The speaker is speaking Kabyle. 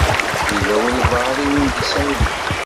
Yella walebɛaḍ i wen-d-isawlen?